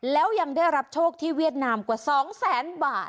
แล้วยังได้รับโชคที่เวียดนามกว่า๒แสนบาท